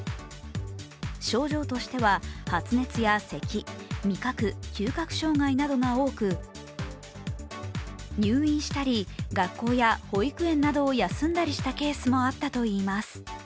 症状としては発熱やせき、味覚・嗅覚障害などが多く入院したり、学校や保育園などを休んだりしたケースもあったといいます。